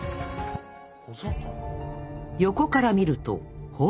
横から見るとほら。